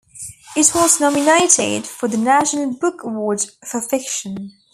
It was nominated for the National Book Award for fiction.